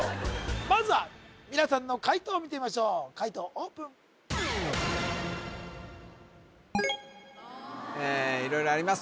まずは皆さんの解答を見てみましょう解答オープン色々あります